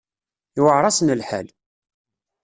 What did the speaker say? Iwεer-asen lḥal.